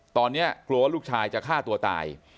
ตอนนี้กลัวว่าลูกชายจะฆ่าตัวตาย